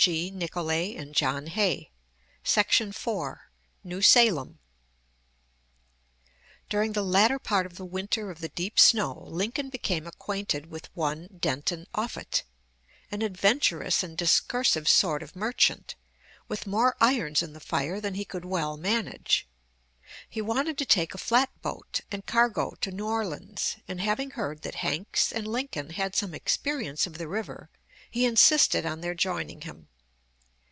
CHAPTER IV NEW SALEM During the latter part of "the winter of the deep snow," Lincoln became acquainted with one Denton Offutt, an adventurous and discursive sort of merchant, with more irons in the fire than he could well manage. He wanted to take a flat boat and cargo to New Orleans, and having heard that Hanks and Lincoln had some experience of the river, he insisted on their joining him.